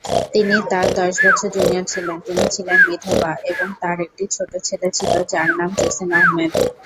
তিনি তার দশ বছর জুনিয়র ছিলেন, তিনি ছিলেন বিধবা, এবং তার একটি ছোট ছেলে ছিল যার নাম জসিম আহমেদ।